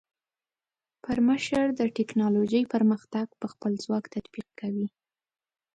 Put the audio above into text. پرکمشر د ټیکنالوجۍ پرمختګ پر خپل ځواک تطبیق کوي.